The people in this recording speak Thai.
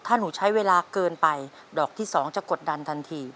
ถ้าหนูใช้เวลาเกินไปดอกที่๒จะกดดันทันที